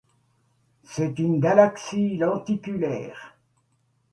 C'est une galaxie lenticulaire.